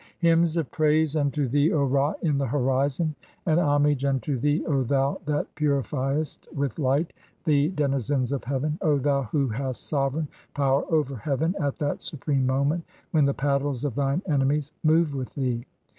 "Hymns of praise unto thee, O Ra, in the horizon, and ho "mage unto thee, O thou that purifiest with light (21) the de "nizens of heaven, O thou who hast sovereign power over heaven "at that supreme moment when the paddles of thine enemies "move with thee